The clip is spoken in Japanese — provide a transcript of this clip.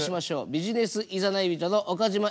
ビジネスいざない人の岡島悦子さん